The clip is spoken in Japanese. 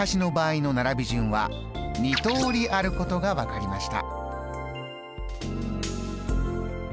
こちらも２通りあることが分かりました。